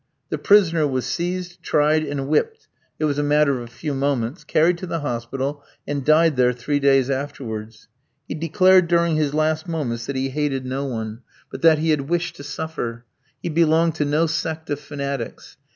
The prisoner was seized, tried, and whipped it was a matter of a few moments carried to the hospital, and died there three days afterwards. He declared during his last moments that he hated no one; but that he had wished to suffer. He belonged to no sect of fanatics.